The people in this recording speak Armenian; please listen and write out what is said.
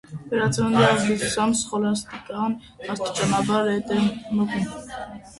Վերածննդի ազդեցությամբ սխոլաստիկան աստիճանաբար ետ է մղվում։